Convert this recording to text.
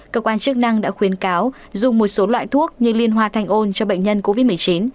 cơ quan chức năng đã khuyến cáo dùng một số loại thuốc như liên hoa thanh ôn cho bệnh nhân covid một mươi chín